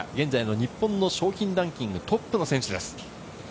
日本の賞金ランキングトップの選手です。